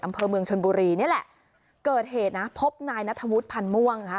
อำเภอเมืองชนบุรีนี่แหละเกิดเหตุนะพบนายนัทวุฒิพันธ์ม่วงฮะ